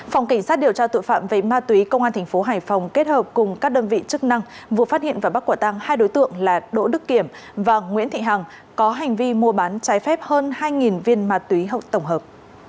phòng cảnh sát điều tra tội phạm về ma túy công an tp hải phòng kết hợp cùng các đơn vị chức năng vừa phát hiện và bắt quả tăng hai đối tượng là đỗ đức kiểm và nguyễn thị hằng có hành vi mua bán trái phép hơn hai viên ma túy hậu tổng hợp